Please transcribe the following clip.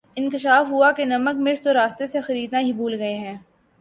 انکشاف ہوا کہ نمک مرچ تو راستے سے خریدنا ہی بھول گئے ہیں